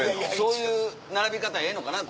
そういう並び方ええのかな？